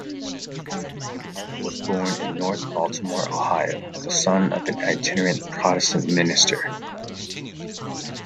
Sharp was born in North Baltimore, Ohio, the son of an itinerant Protestant minister.